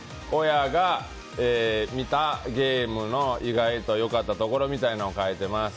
親が見たゲームの意外とよかったところを書いています。